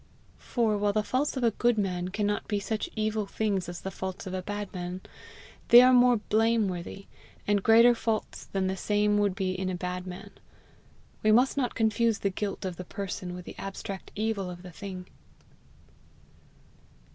For, while the faults of a good man cannot be such evil things as the faults of a bad man, they are more blameworthy, and greater faults than the same would be in a bad man: we must not confuse the guilt of the person with the abstract evil of the thing.